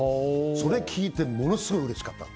それを聞いてものすごいうれしかった。